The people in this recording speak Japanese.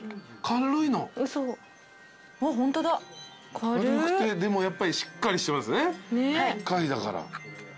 軽くてでもやっぱりしっかりしてますね貝だから。